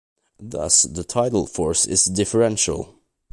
Thus, the tidal force is differential.